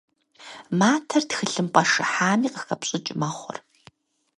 Матэр тхылъымпӏэ шыхьами къыхэпщӏыкӏ мэхъур.